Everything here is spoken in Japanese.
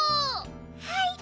はい。